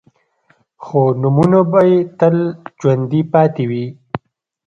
خو نومونه به يې تل ژوندي پاتې وي.